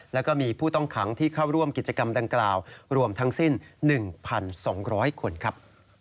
แล้วก็มีผู้ต้องขังที่เข้าร่วมกิจกรรมดังกล่าวรวมทั้งสิ้น๑๒๐๐คนครับ